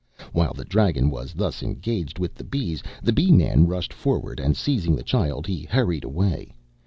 While the dragon was thus engaged with the bees, the Bee man rushed forward, and, seizing the child, he hurried away.